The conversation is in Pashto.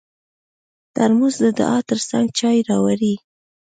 ترموز د دعا تر څنګ چای راوړي.